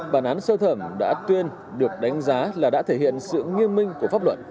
bản án sơ thẩm đã tuyên được đánh giá là đã thể hiện sự nghiêm minh của pháp luật